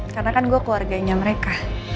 karena kan gua keluarganya mereka